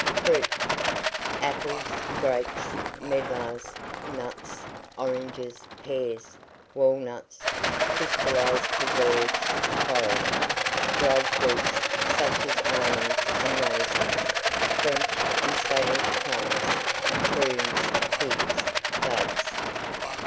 FRUIT. Apples, grapes, medlars, nuts, oranges, pears, walnuts, crystallized preserves (foreign), dried fruits, such as almonds and raisins; French and Spanish plums; prunes, figs, dates.